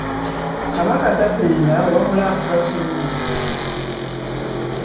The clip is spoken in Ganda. Kabaka tasenga wabula akuba kibuga.